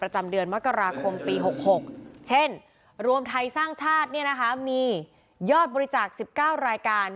เดือนมกราคมปี๖๖เช่นรวมไทยสร้างชาติมียอดบริจาค๑๙รายการ